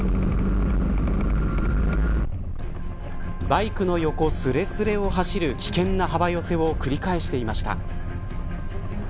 バイクの横すれすれを走る危険な幅寄せを繰り返していました。